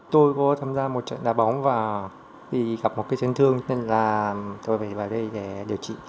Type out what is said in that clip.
tôi có tham gia một trận đá bóng và bị gặp một cái chân thương nên là tôi phải vào đây để điều trị